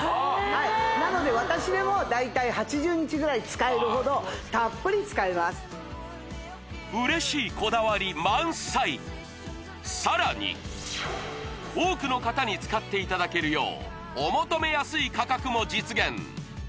はいなので私でも大体８０日ぐらい使えるほどたっぷり使えます嬉しいこだわり満載さらに多くの方に使っていただけるようお求めやすい価格も実現